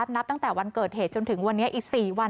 นับตั้งแต่วันเกิดเหตุจนถึงวันนี้อีก๔วัน